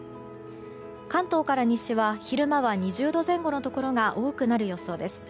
関東から西は昼間は２０度前後のところが多くなる予想です。